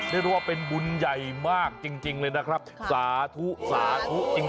ได้รู้ว่าเป็นบุญใหญ่มากจริงเลยนะครับสาธุสาธุสาธุจริง